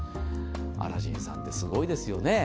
アラジンさんってすごいですよね。